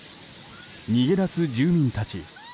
逃げ出す住民たち。